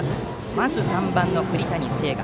まず３番の栗谷星翔。